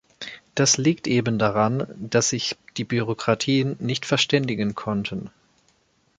Das liegt eben daran, dass sich die Bürokratien nicht verständigen konnten.